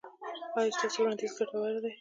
ایا ستاسو وړاندیز ګټور دی؟